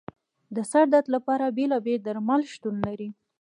د سر درد لپاره بېلابېل درمل شتون لري.